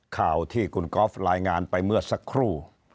ข่าวที่คุณกอล์ฟรายงานไปเมื่อสักครู่